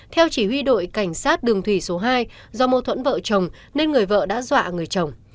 theo chỉ huy đội cảnh sát đường thủy số hai do mâu thuẫn vợ chồng nên người vợ đã dọa người chồng